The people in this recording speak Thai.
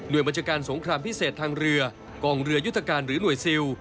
โดยบัญชาการสงครามพิเศษทางเรือกองเรือยุทธการหรือหน่วยซิล